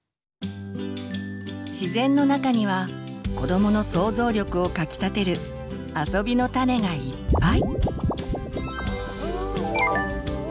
自然の中には子どもの想像力をかきたてる「あそびのタネ」がいっぱい！